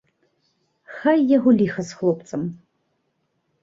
Хай яго ліха з хлопцам!